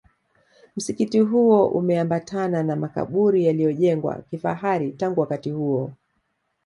Msikiti huo umeambatana na makaburi yaliyojengwa kifahari tangu wakati huo